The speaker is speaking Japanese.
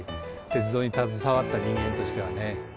鉄道に携わった人間としてはね。